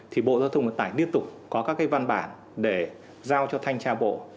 thì bộ giao thông vận tải liên tục có các cái văn bản để giao cho thanh tra bộ